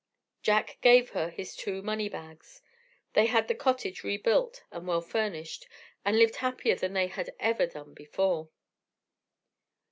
Jack gave her his two money bags; they had the cottage rebuilt and well furnished, and lived happier than they had ever done before.